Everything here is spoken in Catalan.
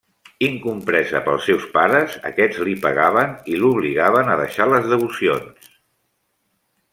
Incompresa pels seus pares, aquest li pegaven i l'obligaven a deixar les devocions.